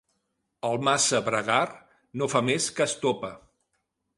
El massa bregar no fa més que estopa.